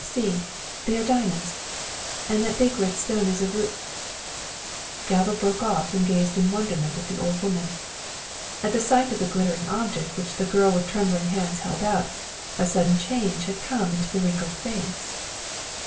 See, they are diamonds, and that big red stone is a ru " Galva broke off and gazed in wonderment at the old woman. At sight of the glittering object which the girl with trembling hands held out, a sudden change had come into the wrinkled face.